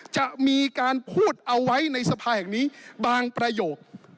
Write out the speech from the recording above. จะมีการพูดเอาไว้ในสภาแห่งนี้บางประโยค